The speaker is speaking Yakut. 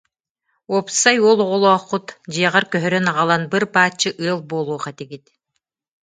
Уопсай уол оҕолооххут, дьиэҕэр көһөрөн аҕалан быр-бааччы ыал буолуох этигит